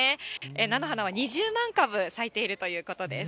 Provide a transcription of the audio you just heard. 菜の花は２０万株咲いているということです。